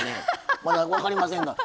まだ分かりませんが。